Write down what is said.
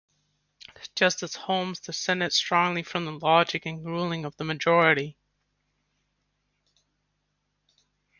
Justice Holmes dissented strongly from the logic and ruling of the majority.